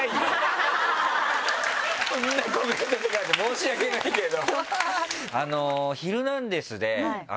そんなコメントとかで申し訳ないけど。